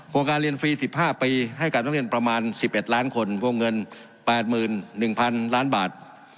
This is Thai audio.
การเรียนฟรี๑๕ปีให้กับนักเรียนประมาณ๑๑ล้านคนวงเงิน๘๑๐๐๐ล้านบาท